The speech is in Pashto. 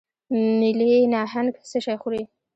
نیلي نهنګ څه شی خوري؟